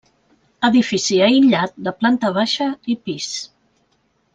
Edifici aïllat de planta baixa i pis.